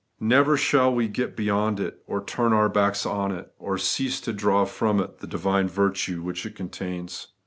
Never shall we get beyond it, or turn our backs on it, or cease to draw from it the divine virtue which it contains.